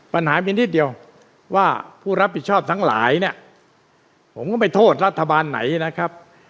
ปัญหามีนิดเดียวว่าผู้รับผิดชอบทั้งหลายเนี่ยผมก็ไม่โทษรัฐบาลไหนนะครับ